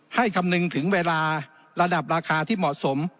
คำนึงถึงเวลาระดับราคาที่เหมาะสม